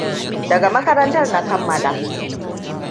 Daga makarantar na kammala.